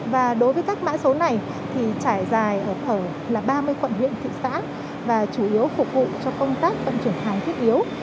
và đối với các mã số này thì trải dài ở là ba mươi quận huyện thị xã và chủ yếu phục vụ cho công tác vận chuyển hàng thiết yếu